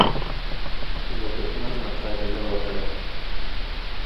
د دښمن مقابله وکړه.